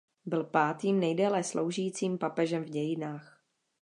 Byl pátým nejdéle sloužícím papežem v dějinách.